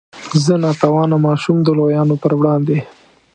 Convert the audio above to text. زه نا توانه ماشوم د لویانو په وړاندې.